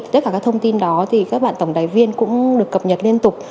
tất cả các thông tin đó thì các bạn tổng đài viên cũng được cập nhật liên tục